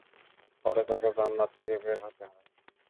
ফলে তাঁকে জান্নাত থেকে বের হতে হয়।